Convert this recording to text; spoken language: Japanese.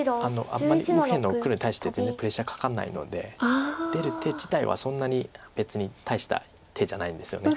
あんまり右辺の黒に対して全然プレッシャーかかんないので出る手自体はそんなに別に大した手じゃないんですよね。